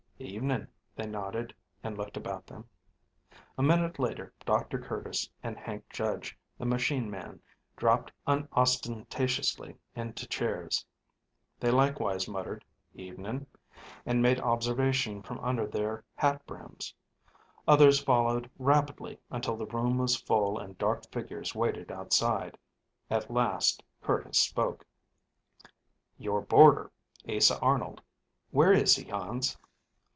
"Evening," they nodded, and looked about them. A minute later Dr. Curtis and Hank Judge, the machine man, dropped unostentatiously into chairs. They likewise muttered "Evening," and made observation from under their hat brims. Others followed rapidly, until the room was full and dark figures waited outside. At last Curtis spoke. "Your boarder, Asa Arnold, where is he, Hans?"